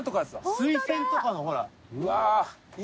スイセンとかのほら。